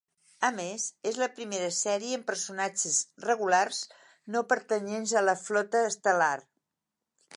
A més, és la primera sèrie amb personatges regulars no pertanyents a la Flota Estel·lar.